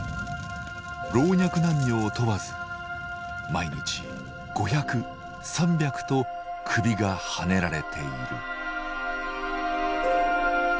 老若男女を問わず毎日５００３００と首がはねられている」。